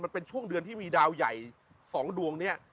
มันเป็นช่วงเดือนที่มีดาวใหญ่๒ดวงเนี่ย